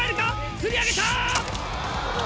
釣り上げた！